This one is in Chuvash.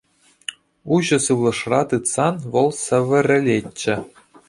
Уҫӑ сывлӑшра тытсан вӑл сӗвӗрӗлетчӗ.